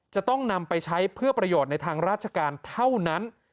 จะต้องนำไปใช้เพื่อประโยชน์ในทางราชการเท่านั้น